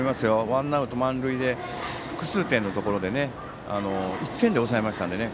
ワンアウト満塁で複数点のところで１点で抑えましたのでね。